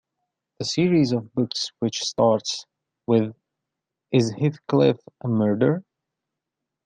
The series of books which starts with Is Heathcliff a murderer?